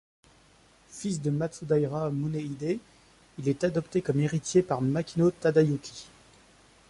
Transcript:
Fils de Matsudaira Munehide, il est adopté comme héritier par Makino Tadayuki.